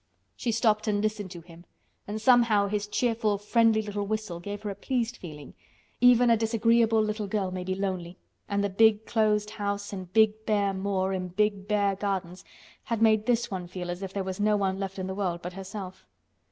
She stopped and listened to him and somehow his cheerful, friendly little whistle gave her a pleased feeling—even a disagreeable little girl may be lonely, and the big closed house and big bare moor and big bare gardens had made this one feel as if there was no one left in the world but herself.